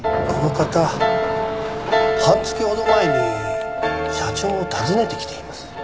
この方半月ほど前に社長を訪ねてきています。